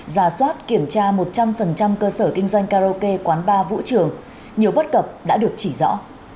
giả soát kiểm tra một trăm linh cơ sở kinh doanh karaoke quán bar vũ trường nhiều bất cập đã được chỉ rõ